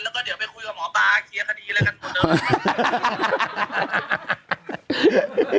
แล้วก็เดี๋ยวไปคุยกับหมอปลาเคลียร์คดีแล้วกันเหมือนเดิม